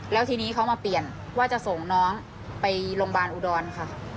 แล้วทีนี้เขามาเปลี่ยนว่าจะส่งน้องไปโรงพยาบาลอุดรค่ะ